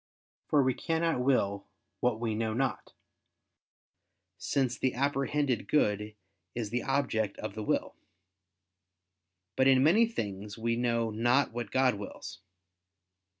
For we cannot will what we know not: since the apprehended good is the object of the will. But in many things we know not what God wills.